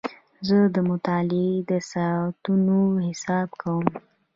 زه د مطالعې د ساعتونو حساب کوم.